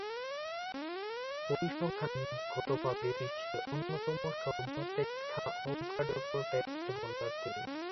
পরিসংখ্যানগতভাবে বিশ্বের অন্যতম সর্বাপেক্ষা অকার্যকর টেস্ট বোলার তিনি।